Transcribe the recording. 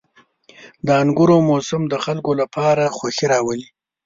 • د انګورو موسم د خلکو لپاره خوښي راولي.